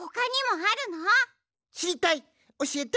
しりたいおしえて！